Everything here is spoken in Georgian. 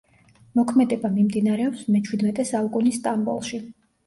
მოქმედება მიმდინარეობს მეჩვიდმეტე საუკუნის სტამბოლში.